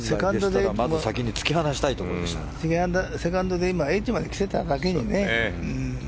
セカンドで８まできてただけにね。